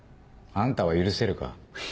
あんたは許せるか？